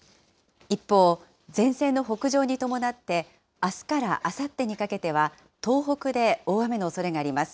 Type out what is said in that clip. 一方、前線の北上に伴って、あすからあさってにかけては、東北で大雨のおそれがあります。